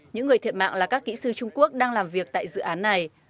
những người thiệt mạng là các kỹ sư trung quốc đang làm việc tại dự án này